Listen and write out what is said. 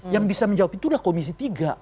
yang bisa menjawab itulah komisi tiga